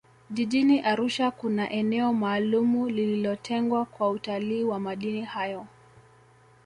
jijini arusha kuna eneo maalumu lililotengwa kwa utalii wa madini hayo